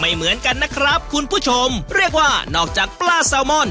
เหมือนกันนะครับคุณผู้ชมเรียกว่านอกจากปลาแซลมอน